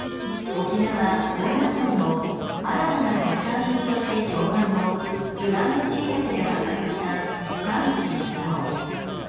沖縄・恩納村の新たな特産品として評判のブランドシイタケで発覚した産地偽装。